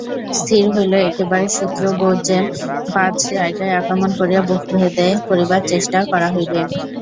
স্থির হইল, একেবারে শত্রুব্যূহের পাঁচ জায়গায় আক্রমণ করিয়া ব্যূহভেদ করিবার চেষ্টা করা হইবে।